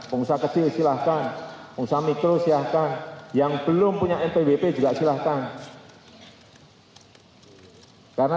pengusaha kecil silahkan pengusaha mikro silahkan yang belum punya npwp juga silahkan karena